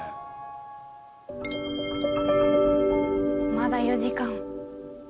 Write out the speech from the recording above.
まだ４時間。